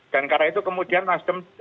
dan karena itu kemudian nasdem